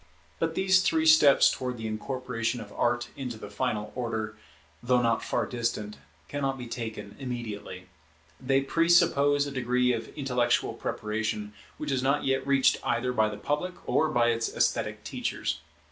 But these three steps towards the incorporation of Art into the final order, though not far distant, cannot be taken immediately. They presuppose a degree of intellectual preparation which is not yet reached either by the public or by its esthetic teachers.